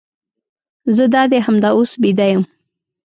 زه دادي همدا اوس بیده یم.